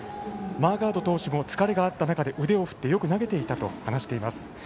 マーガード投手も疲れがあった中で、腕を振ってよく投げてくれていたと話しています。